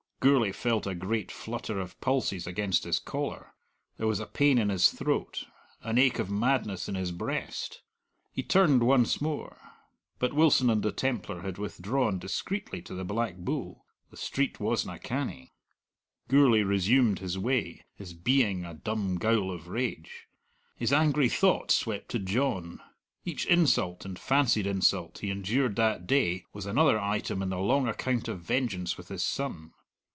Gourlay felt a great flutter of pulses against his collar; there was a pain in his throat, an ache of madness in his breast. He turned once more. But Wilson and the Templar had withdrawn discreetly to the Black Bull; the street wasna canny. Gourlay resumed his way, his being a dumb gowl of rage. His angry thought swept to John. Each insult, and fancied insult, he endured that day was another item in the long account of vengeance with his son.